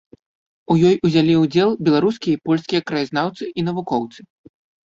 У ёй узялі ўдзел беларускія і польскія краязнаўцы і навукоўцы.